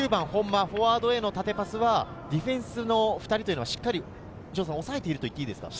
本間への縦パスはディフェンスの２人というのをしっかり抑えていると言っていいですか？